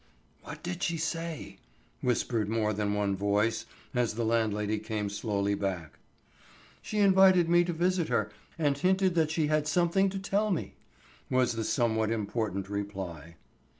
"What did she say?" whispered more than one voice as the landlady came slowly back. "She invited me to visit her, and hinted that she had something to tell me," was the somewhat important reply.